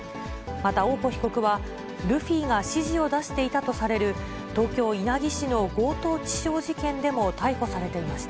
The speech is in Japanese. また大古被告は、ルフィが指示を出していたとされる東京・稲城市の強盗致傷事件でも逮捕されていました。